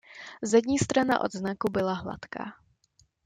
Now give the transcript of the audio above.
Zadní strana odznaku byla hladká.